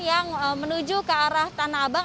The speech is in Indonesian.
yang menuju ke arah tanah abang